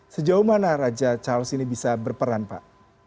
sejauh mana raja charles ini bisa berperan pak